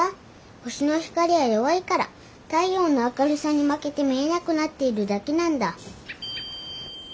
星の光は弱いから太陽の明るさに負けて見えなくなっているだけなんだ。